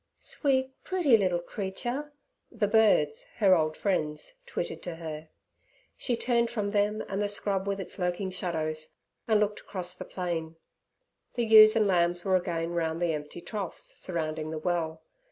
'Sweet, pretty little creature' the birds, her old friends, twittered to her. She turned from them and the scrub with its lurking shadows, and looked across the plain. The ewes and lambs were again round the empty troughs surrounding the well.